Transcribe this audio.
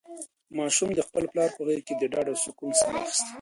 ماشوم د خپل پلار په غېږ کې د ډاډ او سکون ساه واخیسته.